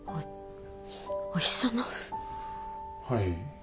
はい。